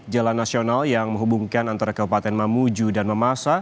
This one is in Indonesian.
jalan nasional yang menghubungkan antara kabupaten mamuju dan memasa